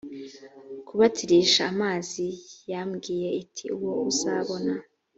kubatirisha amazi yambwiye iti uwo uzabona